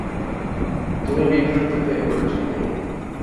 তুমি বিভ্রান্ত হয়ে পড়েছো, মেয়ে।